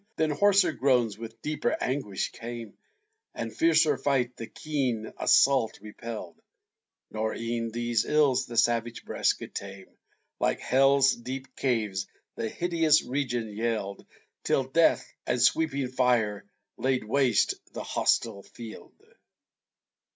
Then hoarser groans, with deeper anguish, came; And fiercer fight the keen assault repell'd: Nor e'en these ills the savage breast could tame; Like hell's deep caves, the hideous region yell'd, Till death, and sweeping fire, laid waste the hostile field.